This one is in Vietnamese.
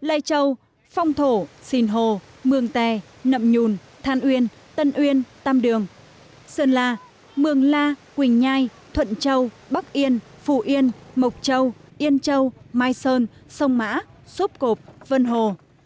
lây châu phong thổ xìn hồ mương tè nậm nhùn thàn uyên tân uyên tam đường sơn la mương la quỳnh nhai thuận châu bắc yên phù yên mộc châu yên châu mai sơn sông mã xốp cộp vân hồ